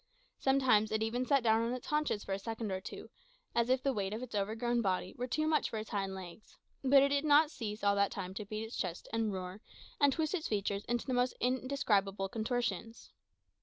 Sometimes it even sat down on its haunches for a second or two, as if the weight of its overgrown body were too much for its hind legs; but it did not cease all that time to beat its chest, and roar, and twist its features into the most indescribable contortions.